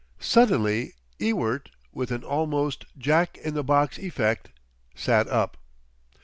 Suddenly Ewart, with an almost Jack in the box effect, sat up.